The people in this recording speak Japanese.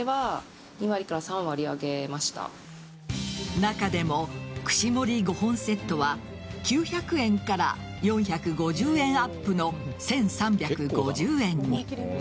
中でも串盛り５本セットは９００円から４５０円アップの１３５０円に。